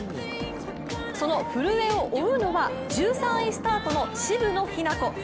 その古江を追うのは１３位スタートの渋野日向子。